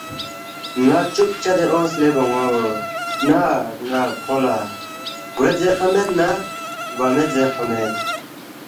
ن٘ا چُپ چدے اونگس لے بون٘و، نہ ن٘ا کھو لہ گوید زیرفا مید نہ گوا مید زیرفا مید